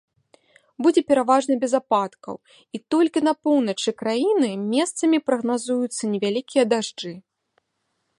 Будзе пераважна без ападкаў і толькі на поўначы краіны месцамі прагназуюцца невялікія дажджы.